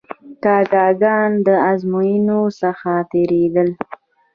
کاکه ګان د آزموینو څخه تیرېدل.